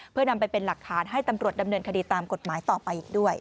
เพื่อนำไปเป็นหลักฐานให้ตำรวจดำเนินคดีตามกฎหมายต่อไปอีกด้วย